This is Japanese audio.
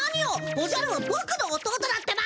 おじゃるはボクの弟だってば！